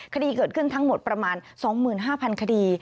คดีเกิดขึ้นทั้งหมดประมาณ๒๕๐๐คดี